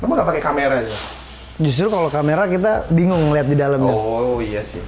emang nggak pakai kamera aja justru kalau kamera kita bingung lihat di dalam oh iya sih